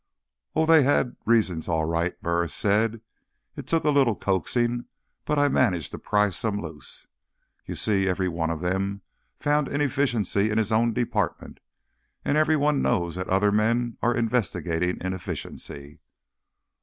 "Oh, they had reasons, all right," Burris said. "It took a little coaxing, but I managed to pry some loose. You see, every one of them found inefficiency in his own department. And every one knows that other men are investigating inefficiency."